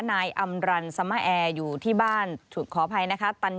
นายอำรันสมะแอร์อยู่ที่บ้านขออภัยนะคะ